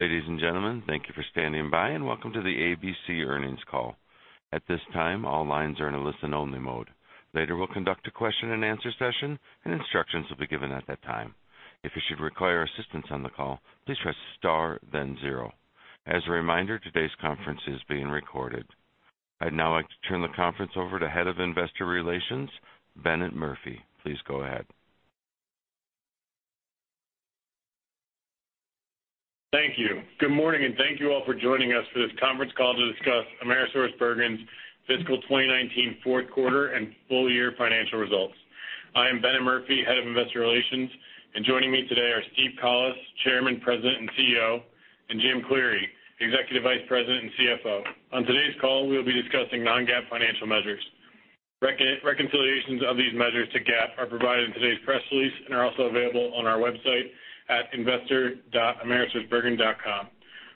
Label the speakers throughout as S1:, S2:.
S1: Ladies and gentlemen, thank you for standing by and welcome to the Cencora earnings call. At this time, all lines are in a listen-only mode. Later, we'll conduct a question and answer session, and instructions will be given at that time. If you should require assistance on the call, please press Star then zero. As a reminder, today's conference is being recorded. I'd now like to turn the conference over to Head of Investor Relations, Bennett Murphy. Please go ahead.
S2: Thank you. Good morning, and thank you all for joining us for this conference call to discuss Cencora's fiscal 2019 fourth quarter and full year financial results. I am Bennett Murphy, Head of Investor Relations, and joining me today are Steve Collis, Chairman, President, and CEO, and Jim Cleary, Executive Vice President and CFO. On today's call, we'll be discussing non-GAAP financial measures. Reconciliations of these measures to GAAP are provided in today's press release and are also available on our website at investor.cencora.com.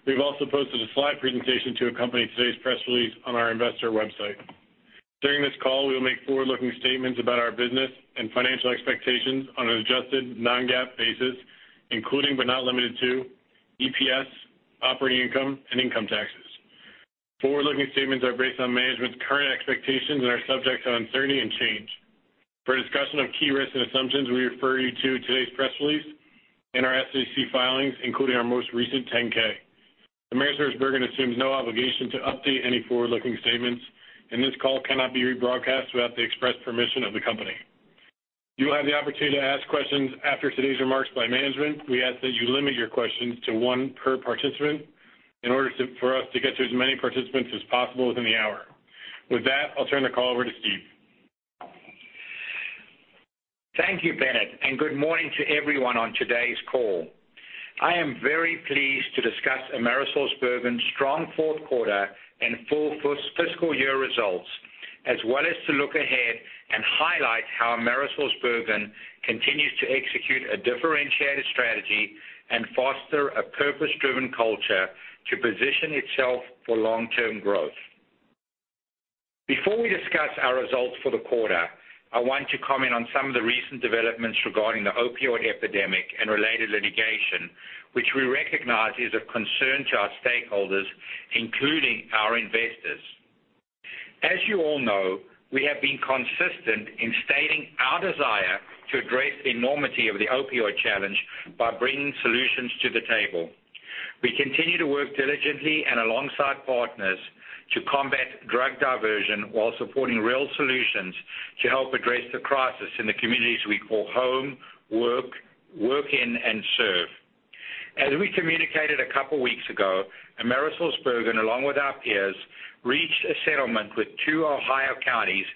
S2: We've also posted a slide presentation to accompany today's press release on our investor website. During this call, we will make forward-looking statements about our business and financial expectations on an adjusted non-GAAP basis, including but not limited to EPS, operating income, and income taxes. Forward-looking statements are based on management's current expectations and are subject to uncertainty and change. For a discussion of key risks and assumptions, we refer you to today's press release and our SEC filings, including our most recent 10-K. Cencora assumes no obligation to update any forward-looking statements, and this call cannot be rebroadcast without the express permission of the company. You will have the opportunity to ask questions after today's remarks by management. We ask that you limit your questions to one per participant in order for us to get to as many participants as possible within the hour. With that, I'll turn the call over to Steve.
S3: Thank you, Bennett. Good morning to everyone on today's call. I am very pleased to discuss AmerisourceBergen's strong fourth quarter and full fiscal year results, as well as to look ahead and highlight how AmerisourceBergen continues to execute a differentiated strategy and foster a purpose-driven culture to position itself for long-term growth. Before we discuss our results for the quarter, I want to comment on some of the recent developments regarding the opioid epidemic and related litigation, which we recognize is of concern to our stakeholders, including our investors. As you all know, we have been consistent in stating our desire to address the enormity of the opioid challenge by bringing solutions to the table. We continue to work diligently and alongside partners to combat drug diversion while supporting real solutions to help address the crisis in the communities we call home, work in, and serve. As we communicated a couple of weeks ago, AmerisourceBergen, along with our peers, reached a settlement with two Ohio counties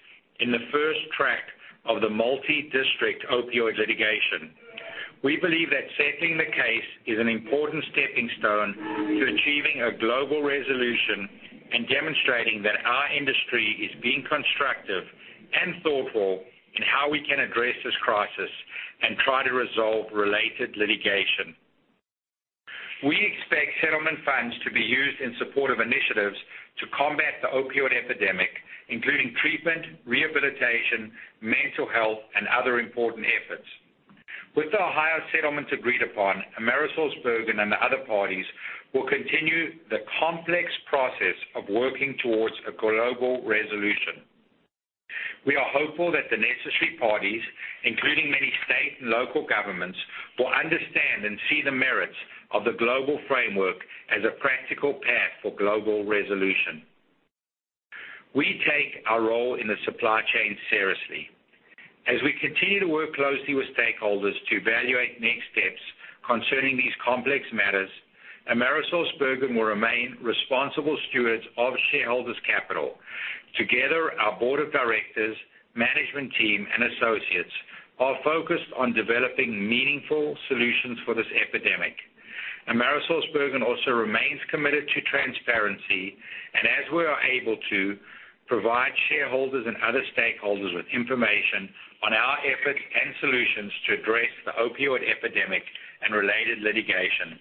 S3: in the first track of the multi-district opioid litigation. We believe that settling the case is an important stepping stone to achieving a global resolution and demonstrating that our industry is being constructive and thoughtful in how we can address this crisis and try to resolve related litigation. We expect settlement funds to be used in support of initiatives to combat the opioid epidemic, including treatment, rehabilitation, mental health, and other important efforts. With the Ohio settlement agreed upon, AmerisourceBergen and the other parties will continue the complex process of working towards a global resolution. We are hopeful that the necessary parties, including many state and local governments, will understand and see the merits of the global framework as a practical path for global resolution. We take our role in the supply chain seriously. As we continue to work closely with stakeholders to evaluate next steps concerning these complex matters, AmerisourceBergen will remain responsible stewards of shareholders' capital. Together, our board of directors, management team, and associates are focused on developing meaningful solutions for this epidemic. AmerisourceBergen also remains committed to transparency, and as we are able to provide shareholders and other stakeholders with information on our efforts and solutions to address the opioid epidemic and related litigation.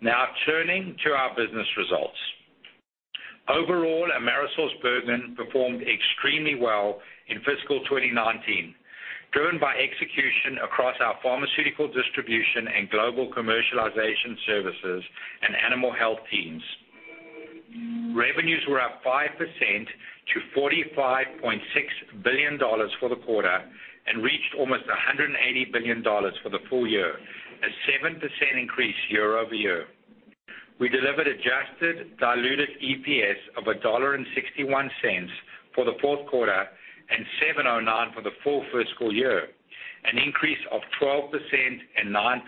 S3: Now turning to our business results. Overall, AmerisourceBergen performed extremely well in fiscal 2019, driven by execution across our Pharmaceutical Distribution and Global Commercialization Services and Animal Health teams. Revenues were up 5% to $45.6 billion for the quarter and reached almost $180 billion for the full year, a 7% increase year-over-year. We delivered adjusted diluted EPS of $1.61 for the fourth quarter and $7.09 for the full fiscal year, an increase of 12% and 9%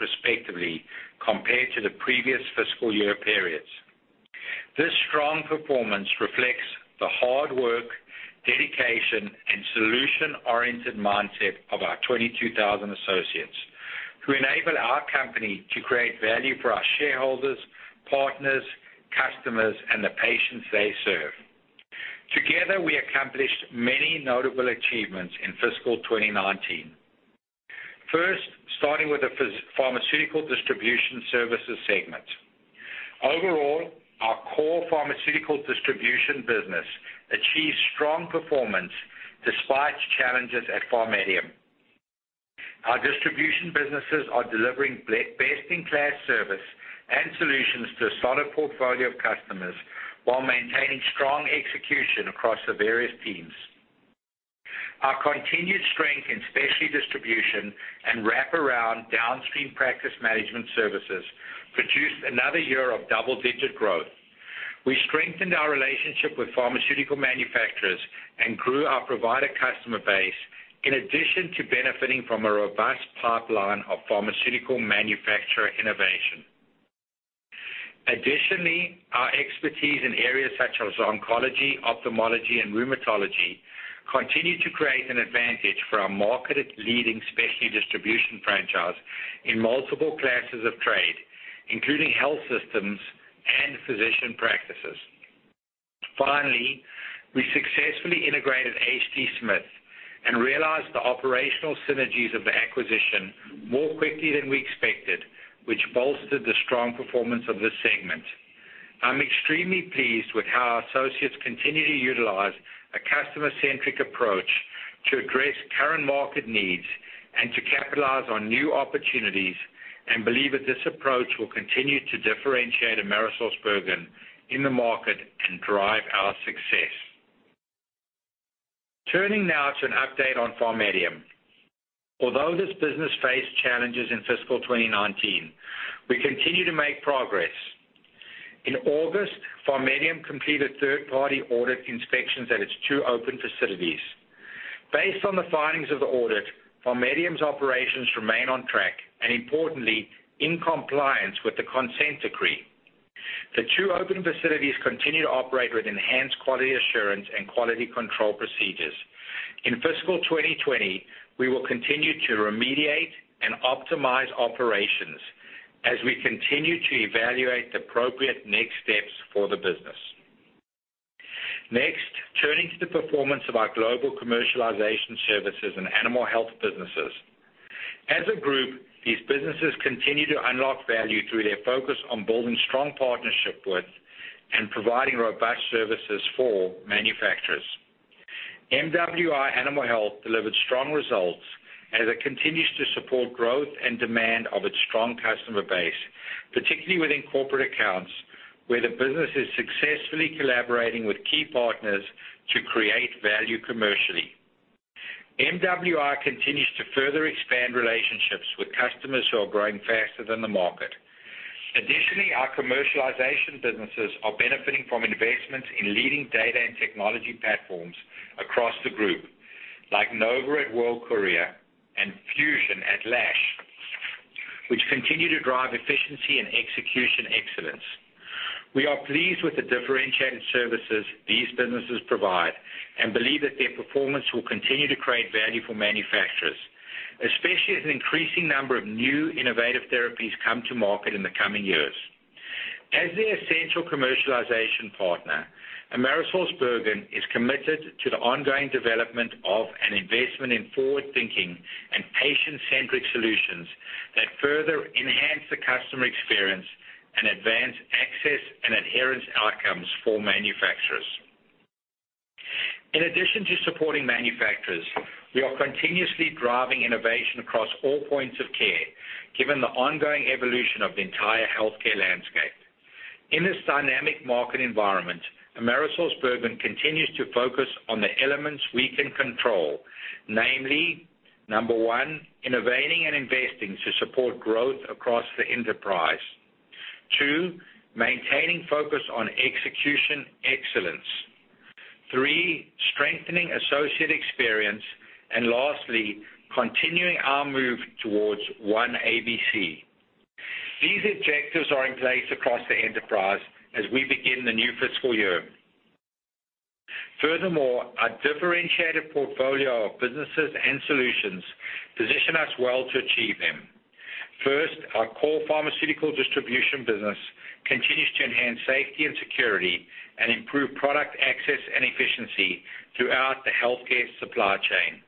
S3: respectively compared to the previous fiscal year periods. This strong performance reflects the hard work, dedication, and solution-oriented mindset of our 22,000 associates who enable our company to create value for our shareholders, partners, customers, and the patients they serve. Together, we accomplished many notable achievements in fiscal 2019. First, starting with the Pharmaceutical Distribution Services segment. Overall, our core pharmaceutical distribution business achieved strong performance despite challenges at PharMEDium. Our distribution businesses are delivering best-in-class service and solutions to a solid portfolio of customers, while maintaining strong execution across the various teams. Our continued strength in specialty distribution and wraparound downstream practice management services produced another year of double-digit growth. We strengthened our relationship with pharmaceutical manufacturers and grew our provider customer base, in addition to benefiting from a robust pipeline of pharmaceutical manufacturer innovation. Additionally, our expertise in areas such as oncology, ophthalmology, and rheumatology continue to create an advantage for our market-leading specialty distribution franchise in multiple classes of trade, including health systems and physician practices. Finally, we successfully integrated H. D. Smith and realized the operational synergies of the acquisition more quickly than we expected, which bolstered the strong performance of this segment. I'm extremely pleased with how our associates continue to utilize a customer-centric approach to address current market needs and to capitalize on new opportunities and believe that this approach will continue to differentiate AmerisourceBergen in the market and drive our success. Turning now to an update on PharMEDium. Although this business faced challenges in fiscal 2019, we continue to make progress. In August, PharMEDium completed third-party audit inspections at its two open facilities. Based on the findings of the audit, PharMEDium's operations remain on track, and importantly, in compliance with the consent decree. The two open facilities continue to operate with enhanced quality assurance and quality control procedures. In fiscal 2020, we will continue to remediate and optimize operations as we continue to evaluate the appropriate next steps for the business. Turning to the performance of our Global Commercialization Services and animal health businesses. As a group, these businesses continue to unlock value through their focus on building strong partnership with and providing robust services for manufacturers. MWI Animal Health delivered strong results as it continues to support growth and demand of its strong customer base, particularly within corporate accounts, where the business is successfully collaborating with key partners to create value commercially. MWI continues to further expand relationships with customers who are growing faster than the market. Additionally, our commercialization businesses are benefiting from investments in leading data and technology platforms across the group, like NOVA at World Courier and Fusion at Lash, which continue to drive efficiency and execution excellence. We are pleased with the differentiated services these businesses provide and believe that their performance will continue to create value for manufacturers, especially as an increasing number of new innovative therapies come to market in the coming years. As the essential commercialization partner, AmerisourceBergen is committed to the ongoing development of an investment in forward-thinking and patient-centric solutions that further enhance the customer experience and advance access and adherence outcomes for manufacturers. In addition to supporting manufacturers, we are continuously driving innovation across all points of care, given the ongoing evolution of the entire healthcare landscape. In this dynamic market environment, AmerisourceBergen continues to focus on the elements we can control, namely, number 1, innovating and investing to support growth across the enterprise. 2, maintaining focus on execution excellence. 3, strengthening associate experience, and lastly, continuing our move towards One ABC. These objectives are in place across the enterprise as we begin the new fiscal year. Our differentiated portfolio of businesses and solutions position us well to achieve them. Our core Pharmaceutical Distribution business continues to enhance safety and security and improve product access and efficiency throughout the healthcare supply chain.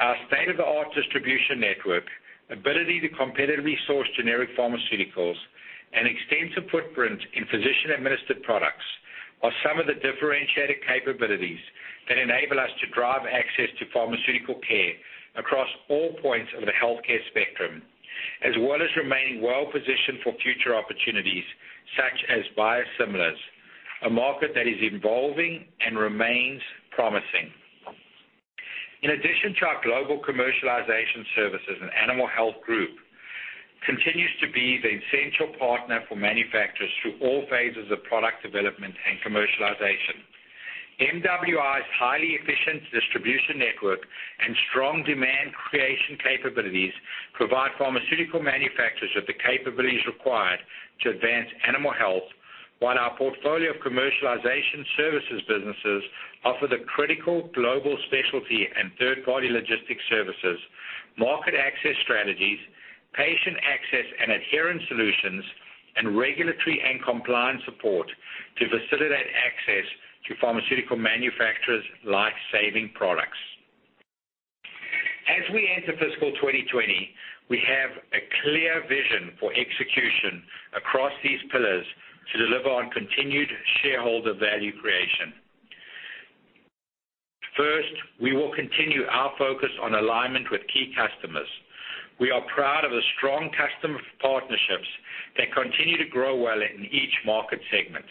S3: Our state-of-the-art distribution network, ability to competitively source generic pharmaceuticals, and extensive footprint in physician-administered products are some of the differentiated capabilities that enable us to drive access to pharmaceutical care across all points of the healthcare spectrum, as well as remaining well-positioned for future opportunities, such as biosimilars, a market that is evolving and remains promising. In addition to our Global Commercialization Services and animal health group, continues to be the essential partner for manufacturers through all phases of product development and commercialization. MWI's highly efficient distribution network and strong demand creation capabilities provide pharmaceutical manufacturers with the capabilities required to advance animal health, while our portfolio of commercialization services businesses offer the critical global specialty and third-party logistics services, market access strategies, patient access and adherence solutions, and regulatory and compliance support to facilitate access to pharmaceutical manufacturers' life-saving products. As we enter fiscal 2020, we have a clear vision for execution across these pillars to deliver on continued shareholder value creation. First, we will continue our focus on alignment with key customers. We are proud of the strong customer partnerships that continue to grow well in each market segment.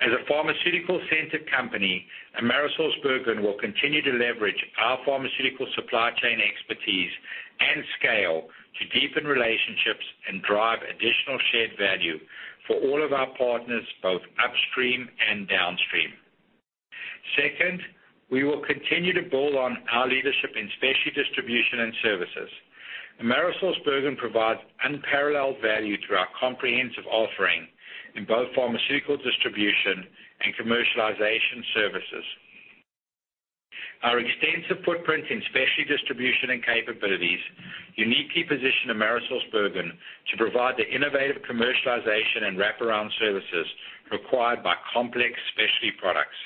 S3: As a pharmaceutical-centered company, Cencora will continue to leverage our pharmaceutical supply chain expertise and scale to deepen relationships and drive additional shared value for all of our partners, both upstream and downstream. Second, we will continue to build on our leadership in specialty distribution and services. Cencora provides unparalleled value through our comprehensive offering in both pharmaceutical distribution and commercialization services. Our extensive footprint in specialty distribution and capabilities uniquely position Cencora to provide the innovative commercialization and wraparound services required by complex specialty products.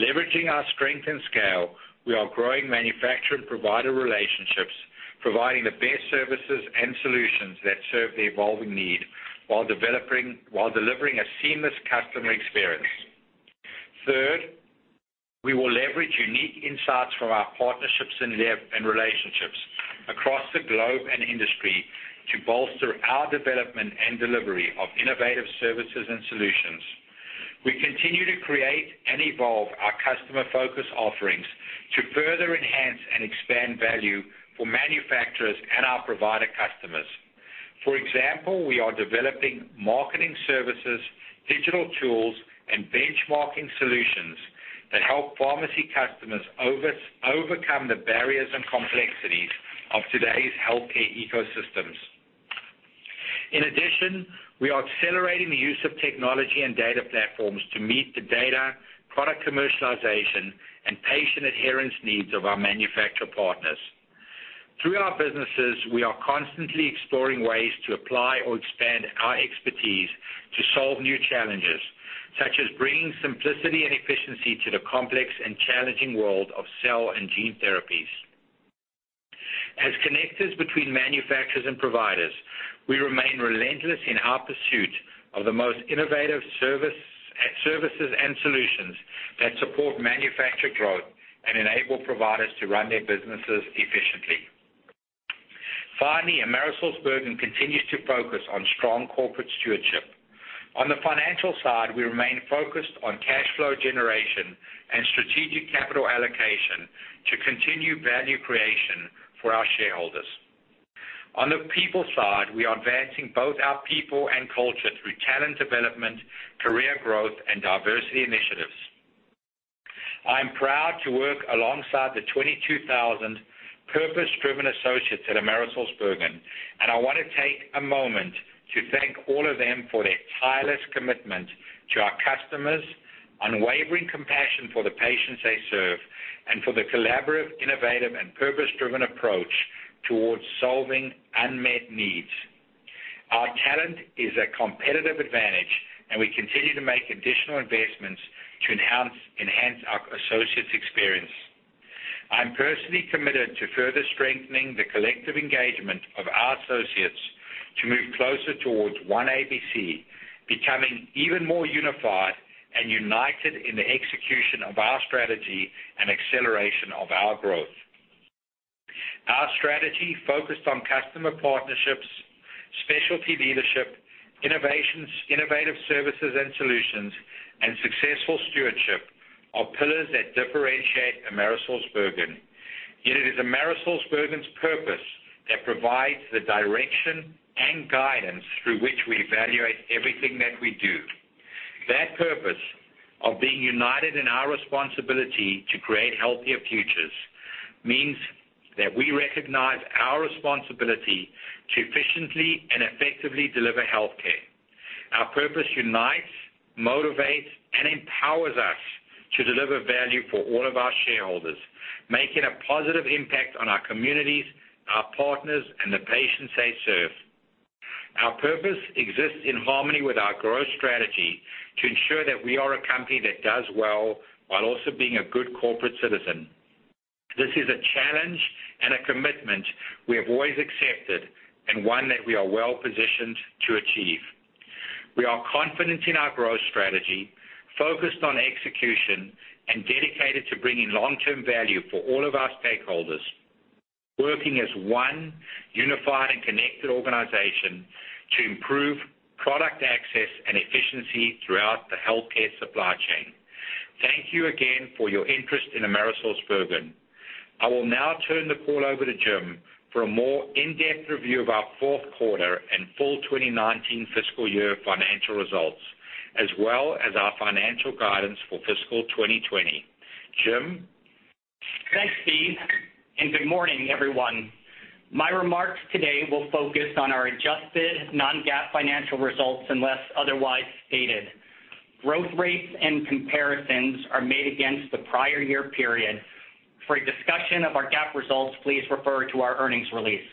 S3: Leveraging our strength and scale, we are growing manufacturer and provider relationships, providing the best services and solutions that serve the evolving need while delivering a seamless customer experience. Third, we will leverage unique insights from our partnerships and relationships across the globe and industry to bolster our development and delivery of innovative services and solutions. We continue to create and evolve our customer-focused offerings to further enhance and expand value for manufacturers and our provider customers. For example, we are developing marketing services, digital tools, and benchmarking solutions that help pharmacy customers overcome the barriers and complexities of today's healthcare ecosystems. In addition, we are accelerating the use of technology and data platforms to meet the data, product commercialization, and patient adherence needs of our manufacturer partners. Through our businesses, we are constantly exploring ways to apply or expand our expertise to solve new challenges, such as bringing simplicity and efficiency to the complex and challenging world of cell and gene therapies. As connectors between manufacturers and providers, we remain relentless in our pursuit of the most innovative services and solutions that support manufacturer growth and enable providers to run their businesses efficiently. Finally, AmerisourceBergen continues to focus on strong corporate stewardship. On the financial side, we remain focused on cash flow generation and strategic capital allocation to continue value creation for our shareholders. On the people side, we are advancing both our people and culture through talent development, career growth, and diversity initiatives. I am proud to work alongside the 22,000 purpose-driven associates at Cencora, and I want to take a moment to thank all of them for their tireless commitment to our customers, unwavering compassion for the patients they serve, and for the collaborative, innovative, and purpose-driven approach towards solving unmet needs. Our talent is a competitive advantage, and we continue to make additional investments to enhance our associates' experience. I'm personally committed to further strengthening the collective engagement of our associates to move closer towards One ABC, becoming even more unified and united in the execution of our strategy and acceleration of our growth. Our strategy, focused on customer partnerships, specialty leadership, innovative services and solutions, and successful stewardship, are pillars that differentiate Cencora. Yet it is Cencora's purpose that provides the direction and guidance through which we evaluate everything that we do. That purpose of being united in our responsibility to create healthier futures means that we recognize our responsibility to efficiently and effectively deliver healthcare. Our purpose unites, motivates, and empowers us to deliver value for all of our shareholders, making a positive impact on our communities, our partners, and the patients they serve. Our purpose exists in harmony with our growth strategy to ensure that we are a company that does well while also being a good corporate citizen. This is a challenge and a commitment we have always accepted, and one that we are well-positioned to achieve. We are confident in our growth strategy, focused on execution, and dedicated to bringing long-term value for all of our stakeholders, working as one unified and connected organization to improve product access and efficiency throughout the healthcare supply chain. Thank you again for your interest in Cencora. I will now turn the call over to Jim for a more in-depth review of our fourth quarter and full 2019 fiscal year financial results, as well as our financial guidance for fiscal 2020. Jim?
S4: Thanks, Steve, and good morning, everyone. My remarks today will focus on our adjusted non-GAAP financial results, unless otherwise stated. Growth rates and comparisons are made against the prior year period. For a discussion of our GAAP results, please refer to our earnings release.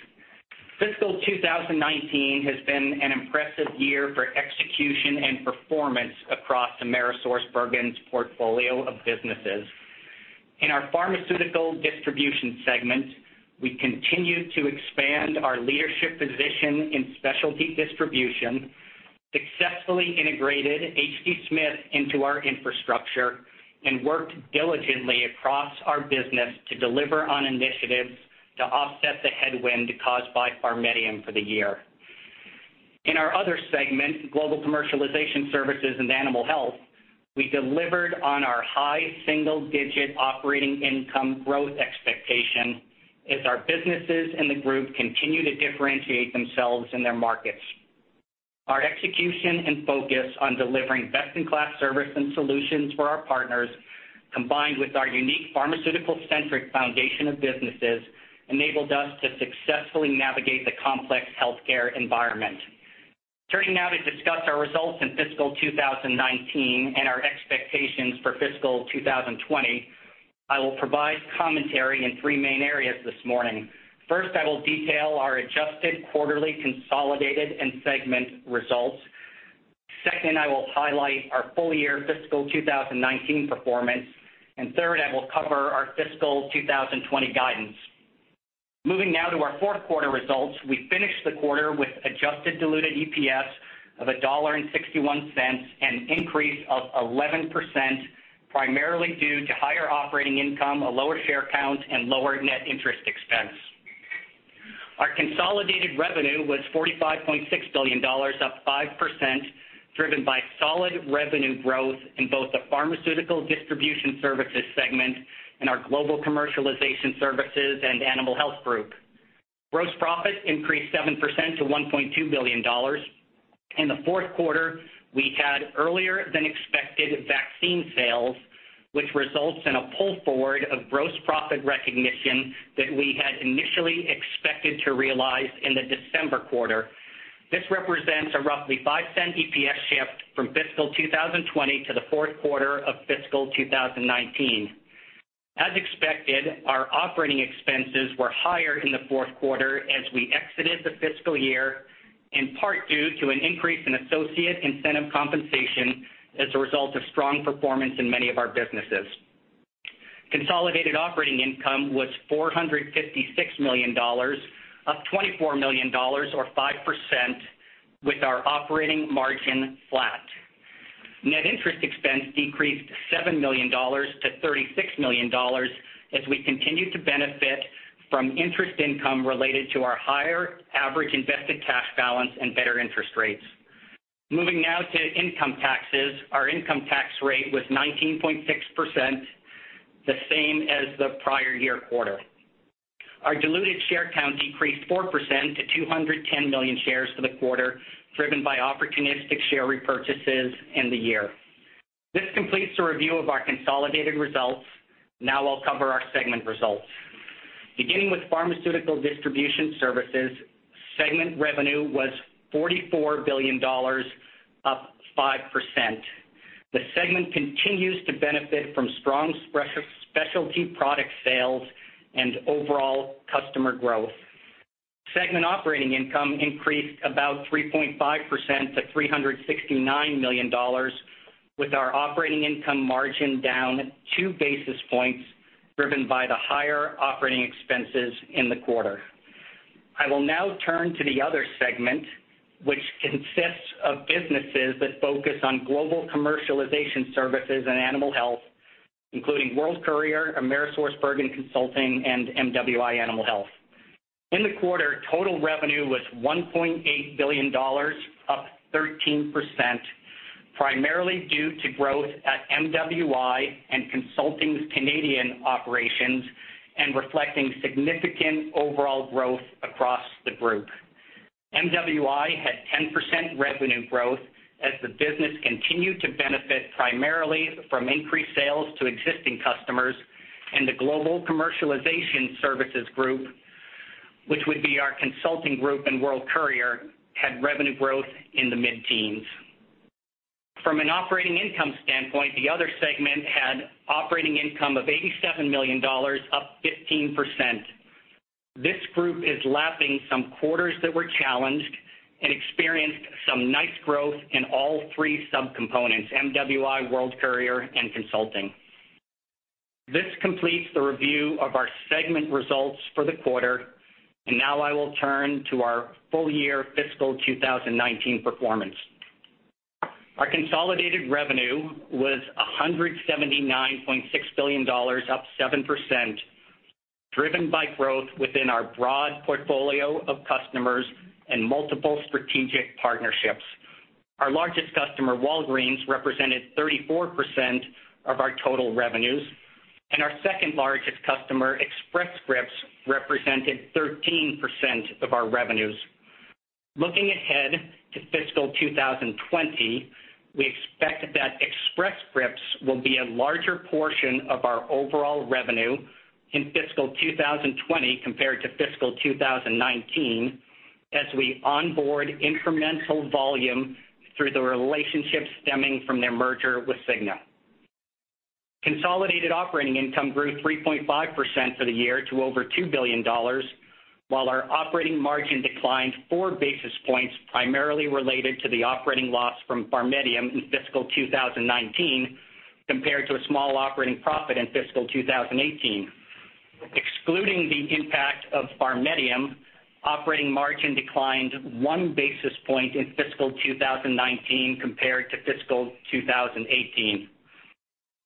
S4: Fiscal 2019 has been an impressive year for execution and performance across AmerisourceBergen's portfolio of businesses. In our Pharmaceutical Distribution segment, we continued to expand our leadership position in specialty distribution, successfully integrated H. D. Smith into our infrastructure, and worked diligently across our business to deliver on initiatives to offset the headwind caused by PharMEDium for the year. In our other segment, Global Commercialization Services and Animal Health, we delivered on our high single-digit operating income growth expectation as our businesses in the group continue to differentiate themselves in their markets. Our execution and focus on delivering best-in-class service and solutions for our partners, combined with our unique pharmaceutical-centric foundation of businesses, enabled us to successfully navigate the complex healthcare environment. Turning now to discuss our results in fiscal 2019 and our expectations for fiscal 2020, I will provide commentary in three main areas this morning. First, I will detail our adjusted quarterly consolidated and segment results. Second, I will highlight our full year fiscal 2019 performance. Third, I will cover our fiscal 2020 guidance. Moving now to our fourth quarter results, we finished the quarter with adjusted diluted EPS of $1.61, an increase of 11%, primarily due to higher operating income, a lower share count, and lower net interest expense. Our consolidated revenue was $45.6 billion, up 5%, driven by solid revenue growth in both the Pharmaceutical Distribution Services segment and our Global Commercialization Services and Animal Health group. Gross profit increased 7% to $1.2 billion. In the fourth quarter, we had earlier than expected vaccine sales, which results in a pull forward of gross profit recognition that we had initially expected to realize in the December quarter. This represents a roughly $0.05 EPS shift from fiscal 2020 to the fourth quarter of fiscal 2019. As expected, our operating expenses were higher in the fourth quarter as we exited the fiscal year, in part due to an increase in associate incentive compensation as a result of strong performance in many of our businesses. Consolidated operating income was $456 million, up $24 million or 5%, with our operating margin flat. Net interest expense decreased $7 million to $36 million as we continue to benefit from interest income related to our higher average invested cash balance and better interest rates. Moving now to income taxes. Our income tax rate was 19.6%, the same as the prior year quarter. Our diluted share count decreased 4% to 210 million shares for the quarter, driven by opportunistic share repurchases in the year. This completes the review of our consolidated results. I'll cover our segment results. Beginning with Pharmaceutical Distribution Services, segment revenue was $44 billion, up 5%. The segment continues to benefit from strong specialty product sales and overall customer growth. Segment operating income increased about 3.5% to $369 million, with our operating income margin down two basis points, driven by the higher operating expenses in the quarter. I will now turn to the other segment, which consists of businesses that focus on Global Commercialization Services and animal health, including World Courier, AmerisourceBergen Consulting, and MWI Animal Health. In the quarter, total revenue was $1.8 billion, up 13%, primarily due to growth at MWI and Consulting's Canadian operations and reflecting significant overall growth across the group. MWI had 10% revenue growth as the business continued to benefit primarily from increased sales to existing customers. The Global Commercialization Services group, which would be our Consulting group and World Courier, had revenue growth in the mid-teens. From an operating income standpoint, the other segment had operating income of $87 million, up 15%. This group is lapping some quarters that were challenged and experienced some nice growth in all three subcomponents: MWI, World Courier, and Consulting. This completes the review of our segment results for the quarter. Now I will turn to our full year fiscal 2019 performance. Our consolidated revenue was $179.6 billion, up 7%, driven by growth within our broad portfolio of customers and multiple strategic partnerships. Our largest customer, Walgreens, represented 34% of our total revenues, and our second largest customer, Express Scripts, represented 13% of our revenues. Looking ahead to fiscal 2020, we expect that Express Scripts will be a larger portion of our overall revenue in fiscal 2020 compared to fiscal 2019, as we onboard incremental volume through the relationship stemming from their merger with Cigna. Consolidated operating income grew 3.5% for the year to over $2 billion. While our operating margin declined four basis points primarily related to the operating loss from PharMEDium in fiscal 2019, compared to a small operating profit in fiscal 2018. Excluding the impact of PharMEDium, operating margin declined one basis point in fiscal 2019 compared to fiscal 2018.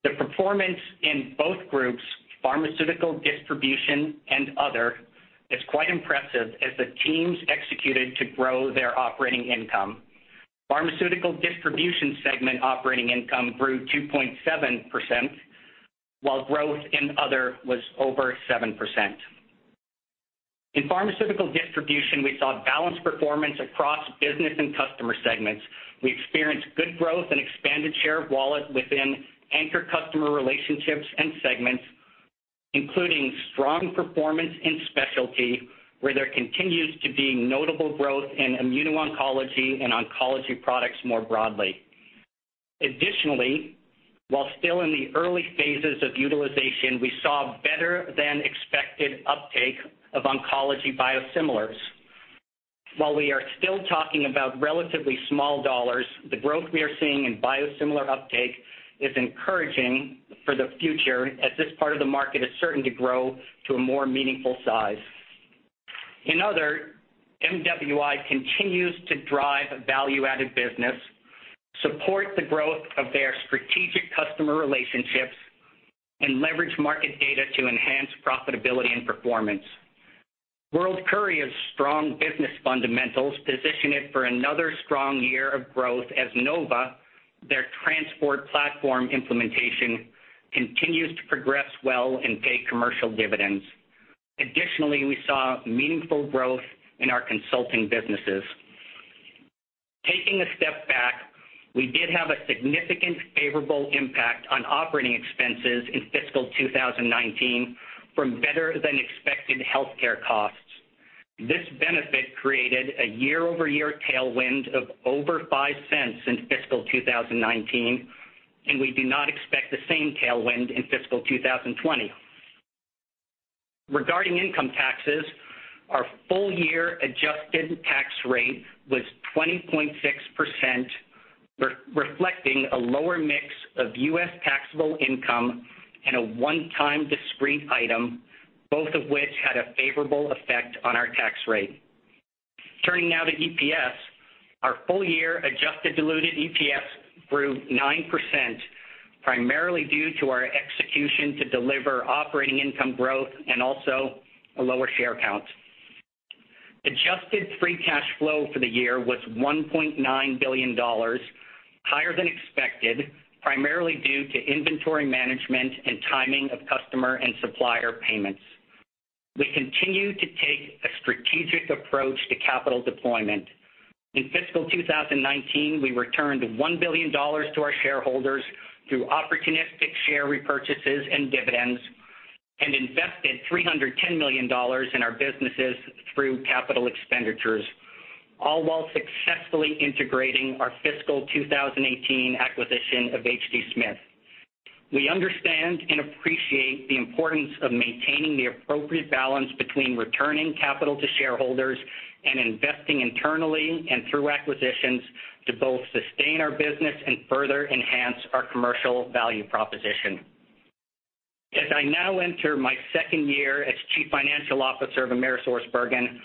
S4: The performance in both groups, Pharmaceutical Distribution and other, is quite impressive as the teams executed to grow their operating income. Pharmaceutical distribution segment operating income grew 2.7%, while growth in other was over 7%. In pharmaceutical distribution, we saw balanced performance across business and customer segments. We experienced good growth and expanded share of wallet within anchor customer relationships and segments, including strong performance in specialty, where there continues to be notable growth in immuno-oncology and oncology products more broadly. Additionally, while still in the early phases of utilization, we saw better than expected uptake of oncology biosimilars. While we are still talking about relatively small dollars, the growth we are seeing in biosimilar uptake is encouraging for the future as this part of the market is certain to grow to a more meaningful size. In other, MWI continues to drive value-added business, support the growth of their strategic customer relationships, and leverage market data to enhance profitability and performance. World Courier's strong business fundamentals position it for another strong year of growth as NOVA, their transport platform implementation, continues to progress well and pay commercial dividends. We saw meaningful growth in our consulting businesses. Taking a step back, we did have a significant favorable impact on operating expenses in FY 2019 from better than expected healthcare costs. This benefit created a year-over-year tailwind of over $0.05 in FY 2019. We do not expect the same tailwind in FY 2020. Regarding income taxes, our full-year adjusted tax rate was 20.6%, reflecting a lower mix of U.S. taxable income and a one-time discrete item, both of which had a favorable effect on our tax rate. Turning now to EPS, our full-year adjusted diluted EPS grew 9%, primarily due to our execution to deliver operating income growth and also a lower share count. Adjusted free cash flow for the year was $1.9 billion, higher than expected, primarily due to inventory management and timing of customer and supplier payments. We continue to take a strategic approach to capital deployment. In fiscal 2019, we returned $1 billion to our shareholders through opportunistic share repurchases and dividends and invested $310 million in our businesses through capital expenditures, all while successfully integrating our fiscal 2018 acquisition of H. D. Smith. We understand and appreciate the importance of maintaining the appropriate balance between returning capital to shareholders and investing internally and through acquisitions to both sustain our business and further enhance our commercial value proposition. As I now enter my second year as Chief Financial Officer of AmerisourceBergen,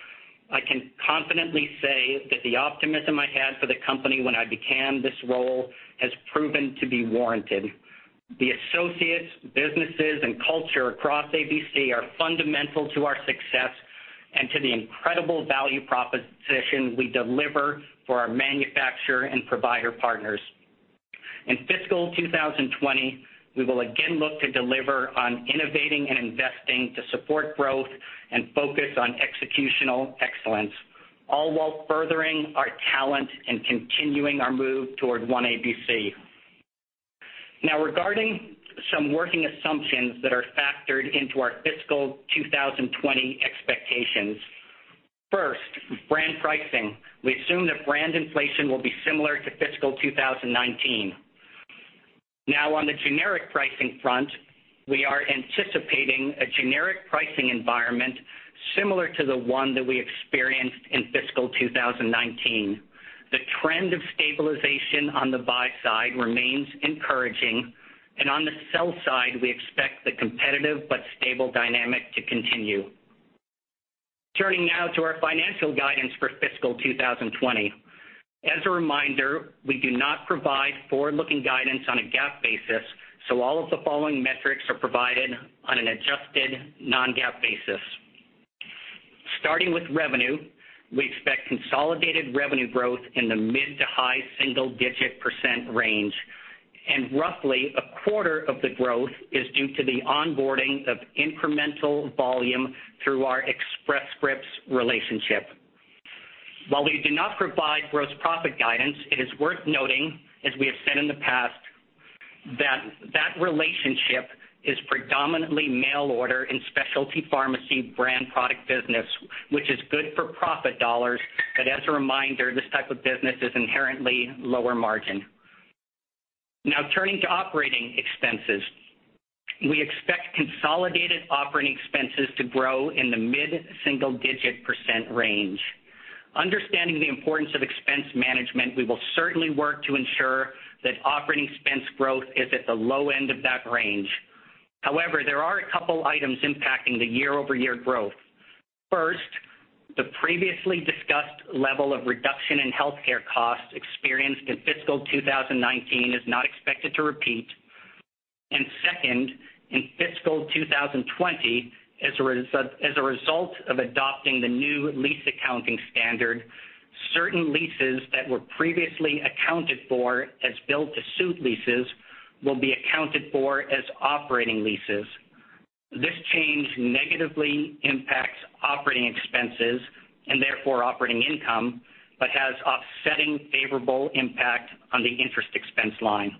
S4: I can confidently say that the optimism I had for the company when I began this role has proven to be warranted. The associates, businesses, and culture across ABC are fundamental to our success and to the incredible value proposition we deliver for our manufacturer and provider partners. In fiscal 2020, we will again look to deliver on innovating and investing to support growth and focus on executional excellence, all while furthering our talent and continuing our move toward One ABC. Regarding some working assumptions that are factored into our fiscal 2020 expectations. First, brand pricing. We assume that brand inflation will be similar to fiscal 2019. On the generic pricing front, we are anticipating a generic pricing environment similar to the one that we experienced in fiscal 2019. The trend of stabilization on the buy side remains encouraging, and on the sell side, we expect the competitive but stable dynamic to continue. Turning now to our financial guidance for fiscal 2020. As a reminder, we do not provide forward-looking guidance on a GAAP basis, all of the following metrics are provided on an adjusted non-GAAP basis. Starting with revenue, we expect consolidated revenue growth in the mid-to-high single-digit % range, roughly a quarter of the growth is due to the onboarding of incremental volume through our Express Scripts relationship. While we do not provide gross profit guidance, it is worth noting, as we have said in the past, that relationship is predominantly mail order and specialty pharmacy brand product business, which is good for profit dollars. As a reminder, this type of business is inherently lower margin. Turning to operating expenses. We expect consolidated operating expenses to grow in the mid-single-digit % range. Understanding the importance of expense management, we will certainly work to ensure that operating expense growth is at the low end of that range. There are a couple items impacting the year-over-year growth. First, the previously discussed level of reduction in healthcare costs experienced in fiscal 2019 is not expected to repeat. Second, in fiscal 2020, as a result of adopting the new lease accounting standard, certain leases that were previously accounted for as build-to-suit leases will be accounted for as operating leases. This change negatively impacts operating expenses, and therefore operating income, but has offsetting favorable impact on the interest expense line.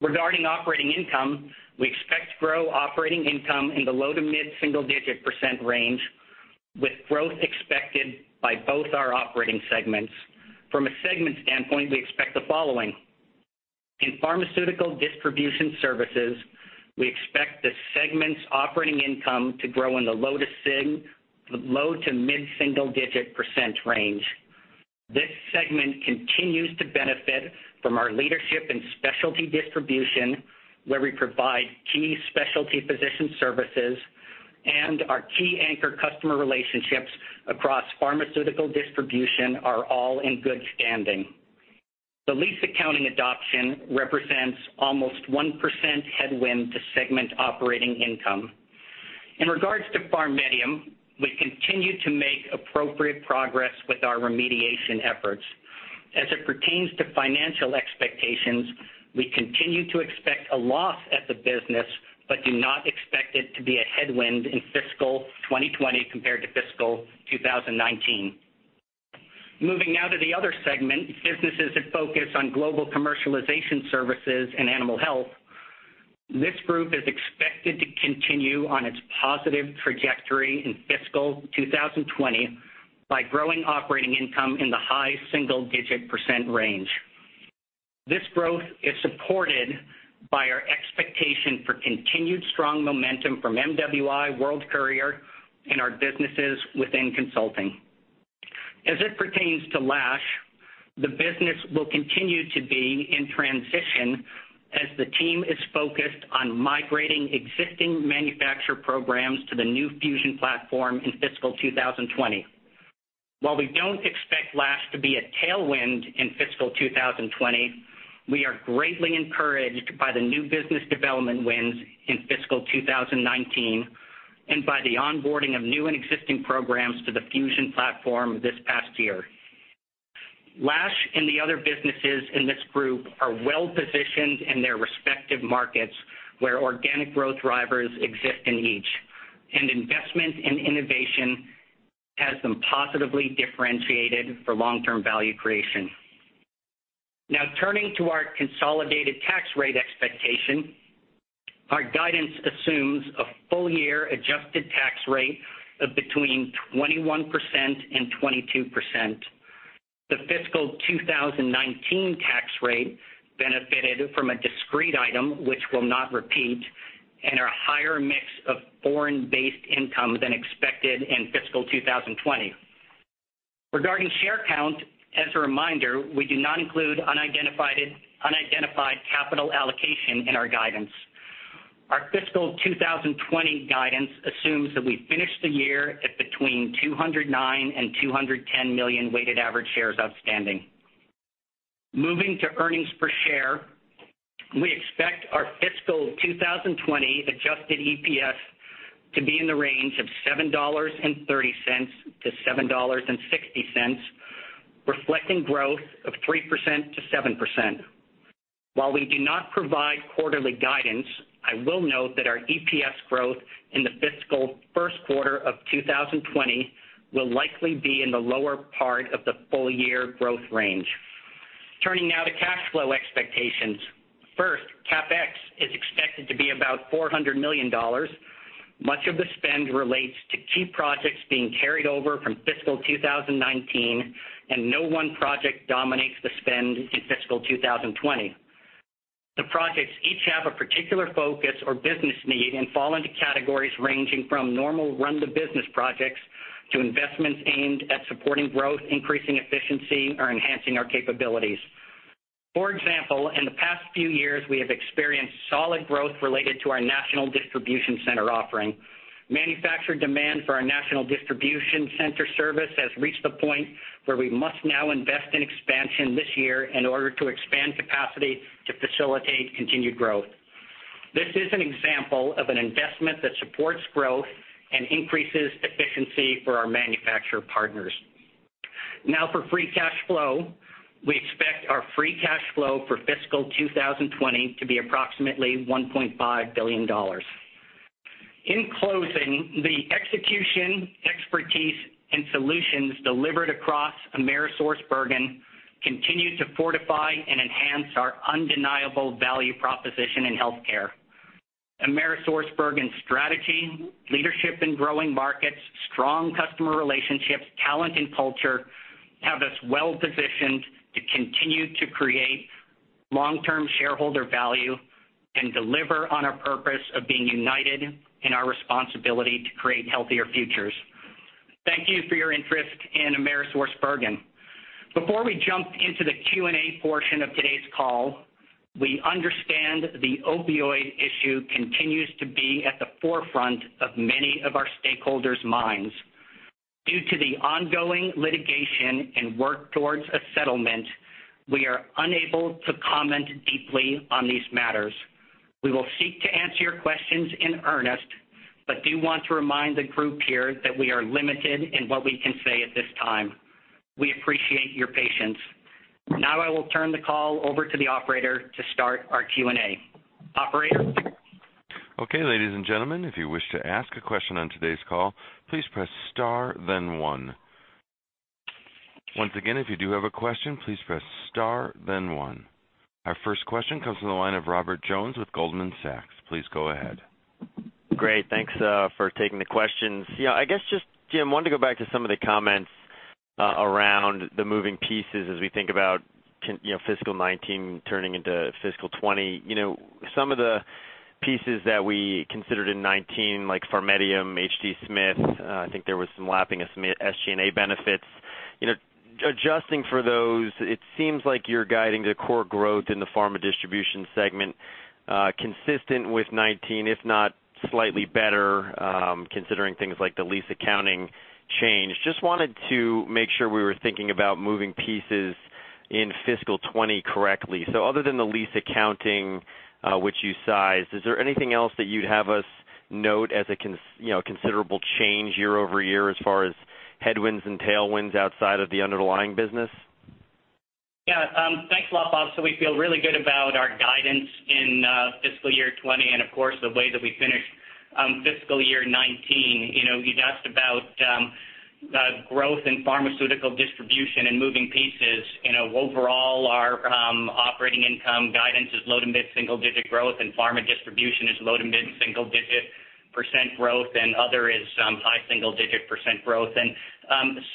S4: Regarding operating income, we expect to grow operating income in the low to mid-single digit % range with growth expected by both our operating segments. From a segment standpoint, we expect the following. In Pharmaceutical Distribution Services, we expect the segment's operating income to grow in the low to mid-single digit % range. This segment continues to benefit from our leadership in specialty distribution, where we provide key specialty physician services, and our key anchor customer relationships across pharmaceutical distribution are all in good standing. The lease accounting adoption represents almost 1% headwind to segment operating income. In regards to PharMEDium, we continue to make appropriate progress with our remediation efforts. As it pertains to financial expectations, we continue to expect a loss at the business, but do not expect it to be a headwind in fiscal 2020 compared to fiscal 2019. Moving now to the other segment, businesses that focus on Global Commercialization Services and animal health. This group is expected to continue on its positive trajectory in fiscal 2020 by growing operating income in the high single digit % range. This growth is supported by our expectation for continued strong momentum from MWI World Courier and our businesses within consulting. As it pertains to Lash, the business will continue to be in transition as the team is focused on migrating existing manufacturer programs to the new Fusion platform in fiscal 2020. While we don't expect Lash to be a tailwind in fiscal 2020, we are greatly encouraged by the new business development wins in fiscal 2019, and by the onboarding of new and existing programs to the Fusion platform this past year. Lash and the other businesses in this group are well positioned in their respective markets, where organic growth drivers exist in each. Investment in innovation has them positively differentiated for long-term value creation. Now turning to our consolidated tax rate expectation. Our guidance assumes a full year adjusted tax rate of between 21% and 22%. The fiscal 2019 tax rate benefited from a discrete item which will not repeat and our higher mix of foreign-based income than expected in fiscal 2020. Regarding share count, as a reminder, we do not include unidentified capital allocation in our guidance. Our fiscal 2020 guidance assumes that we finish the year at between 209 and 210 million weighted average shares outstanding. Moving to earnings per share. We expect our fiscal 2020 adjusted EPS to be in the range of $7.30 to $7.60, reflecting growth of 3% to 7%. While we do not provide quarterly guidance, I will note that our EPS growth in the fiscal first quarter of 2020 will likely be in the lower part of the full year growth range. Turning now to cash flow expectations. First, CapEx is expected to be about $400 million. Much of the spend relates to key projects being carried over from fiscal 2019, and no one project dominates the spend in fiscal 2020. The projects each have a particular focus or business need and fall into categories ranging from normal run the business projects to investments aimed at supporting growth, increasing efficiency, or enhancing our capabilities. For example, in the past few years, we have experienced solid growth related to our National Distribution Center offering. Manufacturer demand for our National Distribution Center service has reached the point where we must now invest in expansion this year in order to expand capacity to facilitate continued growth. This is an example of an investment that supports growth and increases efficiency for our manufacturer partners. For free cash flow. We expect our free cash flow for fiscal 2020 to be approximately $1.5 billion. In closing, the execution, expertise, and solutions delivered across Cencora continue to fortify and enhance our undeniable value proposition in healthcare. Cencora's strategy, leadership in growing markets, strong customer relationships, talent, and culture have us well-positioned to continue to create long-term shareholder value and deliver on our purpose of being united in our responsibility to create healthier futures. Thank you for your interest in Cencora. Before we jump into the Q&A portion of today's call, we understand the opioid issue continues to be at the forefront of many of our stakeholders' minds. Due to the ongoing litigation and work towards a settlement, we are unable to comment deeply on these matters. We will seek to answer your questions in earnest, but do want to remind the group here that we are limited in what we can say at this time. We appreciate your patience. Now I will turn the call over to the operator to start our Q&A. Operator?
S1: Okay, ladies and gentlemen, if you wish to ask a question on today's call, please press star then one. Once again, if you do have a question, please press star then one. Our first question comes from the line of Robert Jones with Goldman Sachs. Please go ahead.
S5: Great. Thanks for taking the questions. I guess just, Jim, wanted to go back to some of the comments around the moving pieces as we think about fiscal 2019 turning into fiscal 2020. Some of the pieces that we considered in 2019, like PharMEDium, H. D. Smith, I think there was some lapping of some SG&A benefits. Adjusting for those, it seems like you're guiding the core growth in the pharma distribution segment, consistent with 2019, if not slightly better, considering things like the lease accounting change. Just wanted to make sure we were thinking about moving pieces in fiscal 2020 correctly. Other than the lease accounting, which you sized, is there anything else that you'd have us note as a considerable change year-over-year as far as headwinds and tailwinds outside of the underlying business?
S4: Yeah. Thanks a lot, Bob. We feel really good about our guidance in fiscal year 2020 and of course, the way that we finished fiscal year 2019. You'd asked about growth in Pharmaceutical Distribution and moving pieces. Overall, our operating income guidance is low to mid single-digit growth, and Pharma Distribution is low to mid single-digit percent growth, and other is high single-digit percent growth.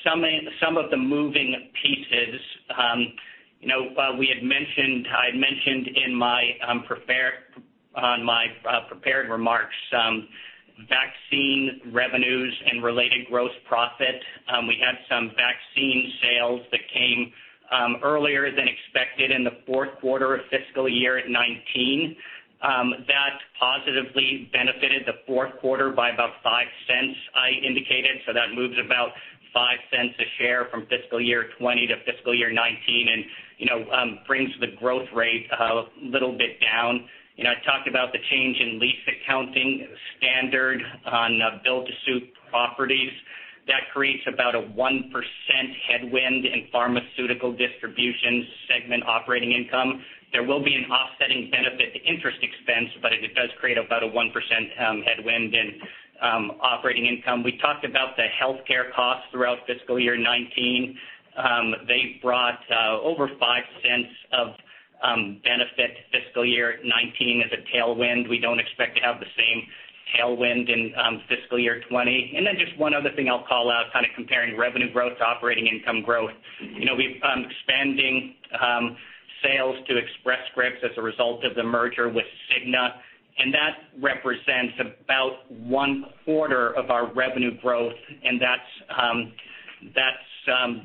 S4: Some of the moving pieces I had mentioned on my prepared remarks, vaccine revenues and related gross profit. We had some vaccine sales that came earlier than expected in the fourth quarter of fiscal year 2019. That positively benefited the fourth quarter by about $0.05, I indicated. That moves about $0.05 a share from fiscal year 2020 to fiscal year 2019 and brings the growth rate a little bit down. I talked about the change in lease accounting standard on build-to-suit properties. That creates about a 1% headwind in pharmaceutical distribution segment operating income. There will be an offsetting benefit to interest expense, but it does create about a 1% headwind in operating income. We talked about the healthcare costs throughout fiscal year 2019. They brought over $0.05 of benefit to fiscal year 2019 as a tailwind. We don't expect to have the same tailwind in fiscal year 2020. Just one other thing I'll call out, kind of comparing revenue growth to operating income growth. We've been expanding sales to Express Scripts as a result of the merger with Cigna, and that represents about one quarter of our revenue growth, and that's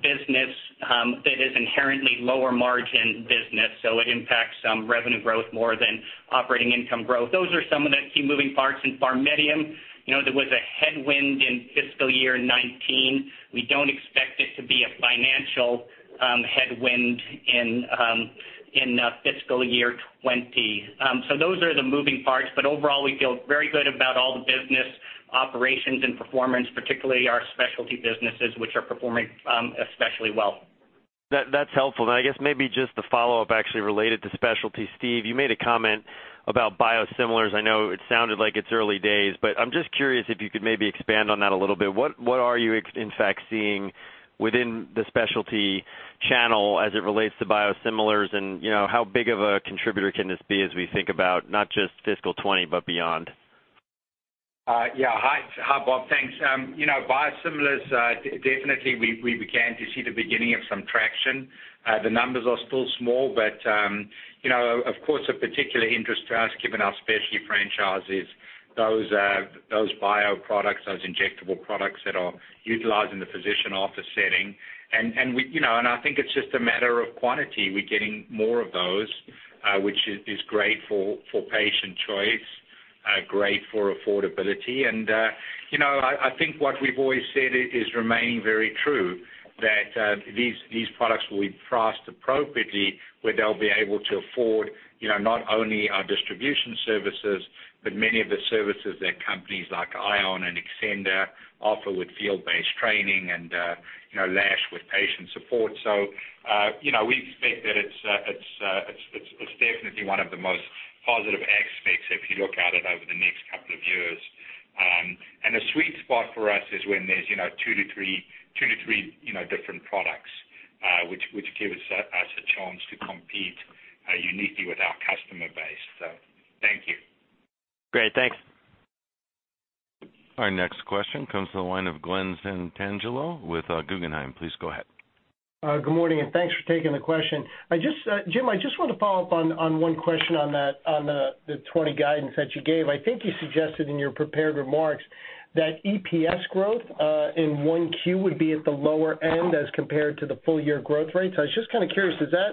S4: business that is inherently lower margin business, so it impacts revenue growth more than operating income growth. Those are some of the key moving parts. In PharMEDium, there was a headwind in fiscal year 2019. We don't expect it to be a financial headwind in fiscal year 2020. Those are the moving parts. Overall, we feel very good about all the business operations and performance, particularly our specialty businesses, which are performing especially well.
S5: That's helpful. I guess maybe just the follow-up actually related to specialty. Steve, you made a comment about biosimilars. I know it sounded like it's early days, but I'm just curious if you could maybe expand on that a little bit. What are you in fact seeing within the specialty channel as it relates to biosimilars, and how big of a contributor can this be as we think about not just fiscal 2020, but beyond?
S3: Yeah. Hi, Bob. Thanks. biosimilars, definitely we began to see the beginning of some traction. The numbers are still small, but of course, of particular interest to us given our specialty franchise is those bioproducts, those injectable products that are utilized in the physician office setting. I think it's just a matter of quantity. We're getting more of those, which is great for patient choice, great for affordability. I think what we've always said is remaining very true, that these products will be priced appropriately where they'll be able to afford not only our distribution services, but many of the services that companies like ION Solutions and Xcenda offer with field-based training and Lash Group with patient support. We expect that it's definitely one of the most positive aspects if you look at it over the next couple of years.
S4: The sweet spot for us is when there's two to three different products, which give us a chance to compete uniquely with our customer base. Thank you.
S5: Great. Thanks.
S1: Our next question comes to the line of Glen Santangelo with Guggenheim. Please go ahead.
S6: Good morning, and thanks for taking the question. Jim, I just want to follow up on one question on the 2020 guidance that you gave. I think you suggested in your prepared remarks that EPS growth in 1Q would be at the lower end as compared to the full year growth rate. I was just kind of curious, is that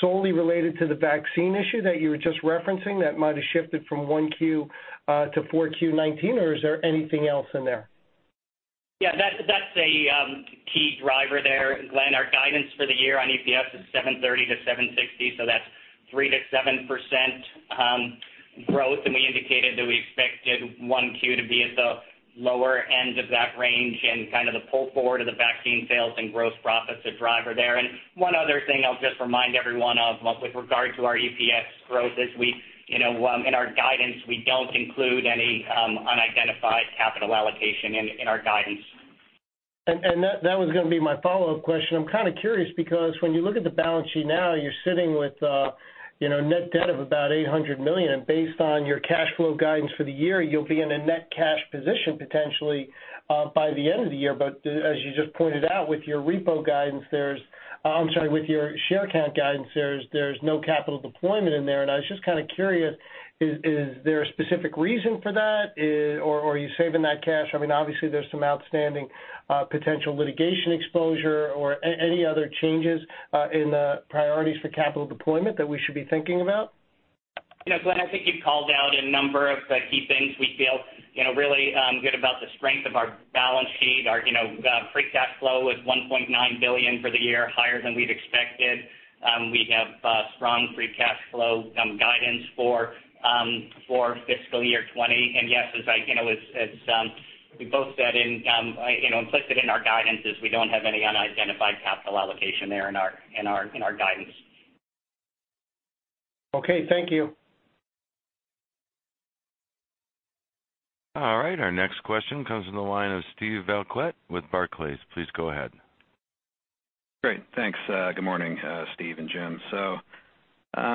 S6: solely related to the vaccine issue that you were just referencing that might have shifted from 1Q to 4Q 2019? Or is there anything else in there?
S4: Yeah, that's a key driver there, Glen. Our guidance for the year on EPS is $7.30-$7.60, that's 3%-7% growth. We indicated that we expected one Q to be at the lower end of that range and kind of the pull forward of the vaccine sales and gross profit's a driver there. One other thing I'll just remind everyone of with regard to our EPS growth is in our guidance, we don't include any unidentified capital allocation in our guidance.
S6: That was going to be my follow-up question. I'm kind of curious because when you look at the balance sheet now, you're sitting with net debt of about $800 million. Based on your cash flow guidance for the year, you'll be in a net cash position potentially by the end of the year. As you just pointed out, with your share count guidance, there's no capital deployment in there. I was just kind of curious, is there a specific reason for that? Are you saving that cash? Obviously, there's some outstanding potential litigation exposure or any other changes in the priorities for capital deployment that we should be thinking about?
S4: Glen, I think you've called out a number of the key things. We feel really good about the strength of our balance sheet. Our free cash flow is $1.9 billion for the year, higher than we've expected. We have strong free cash flow guidance for fiscal year 2020. Yes, as we both said, implicit in our guidance is we don't have any unidentified capital allocation there in our guidance.
S6: Okay. Thank you.
S1: All right. Our next question comes from the line of Steve Valiquette with Barclays. Please go ahead.
S7: Great. Thanks. Good morning, Steve and Jim.